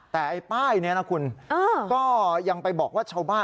แต่ไอ้ป้ายนี้นะคุณก็ยังไปบอกว่าชาวบ้าน